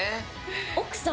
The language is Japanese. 奥さん